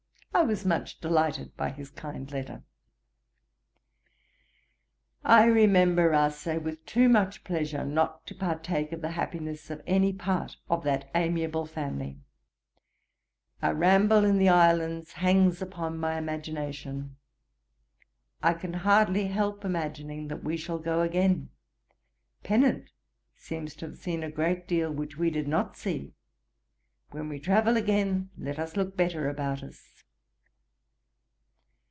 I was much delighted by his kind letter. 'I remember Rasay with too much pleasure not to partake of the happiness of any part of that amiable family. Our ramble in the islands hangs upon my imagination, I can hardly help imagining that we shall go again. Pennant seems to have seen a great deal which we did not see: when we travel again let us look better about us.